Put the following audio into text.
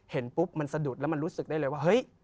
เห็นปุ๊บมันสะดุดแล้วมันรู้สึกได้เลยว่าเฮ้ย